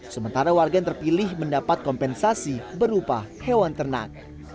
pembangunan berkompensasi berupa hewan ternak